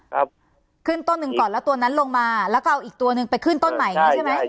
ครับขึ้นต้นหนึ่งก่อนแล้วตัวนั้นลงมาแล้วก็เอาอีกตัวหนึ่งไปขึ้นต้นใหม่อย่างงี้ใช่ไหม